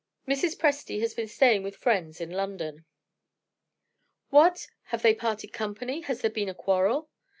"Mrs. Presty has been staying with friends in London." "What! have they parted company? Has there been a quarrel?"